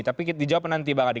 tapi dijawab nanti bang adi